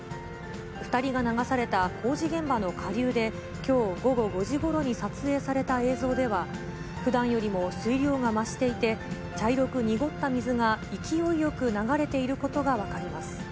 ２人が流された工事現場の下流で、きょう午後５時ごろに撮影された映像では、ふだんよりも水量が増していて、茶色く濁った水が勢いよく流れていることが分かります。